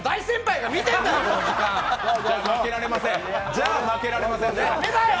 じゃあ負けられませんね。